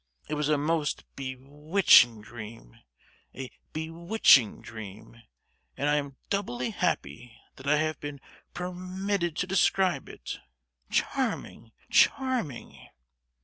It was a most be—witching dream! a be—witching dream! and I am doubly happy that I have been per—mitted to describe it. Charming—charming!"